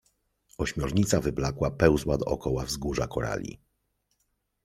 Ośmiornica wyblakła pełzła dookoła wzgórza korali.